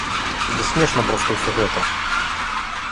Ды смешна проста ўсё гэта!